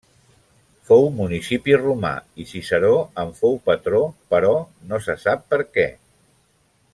Fou municipi romà i Ciceró en fou patró però no se sap per què.